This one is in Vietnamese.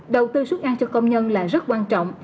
đầu tư xuất ăn cho công nhân là rất quan trọng